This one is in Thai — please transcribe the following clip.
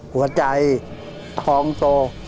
หัวใจทองโต